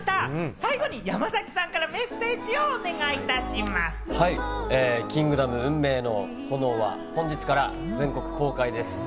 最後に山崎さんからメッセージを『キングダム運命の炎』は本日から全国公開です。